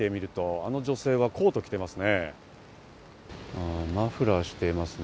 あの女性はコートを着ていますね。